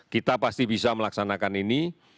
kita pasti bisa melaksanakan ini